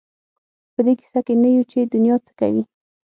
په دې کيسه کې نه یو چې دنیا څه کوي.